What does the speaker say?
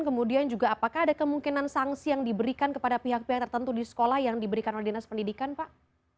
kemudian juga apakah ada kemungkinan sanksi yang diberikan kepada pihak pihak tertentu di sekolah yang diberikan oleh dinas pendidikan pak